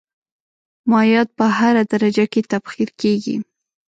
مایعات په هره درجه کې تبخیر کیږي.